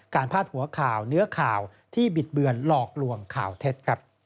พาดหัวข่าวเนื้อข่าวที่บิดเบือนหลอกลวงข่าวเท็จ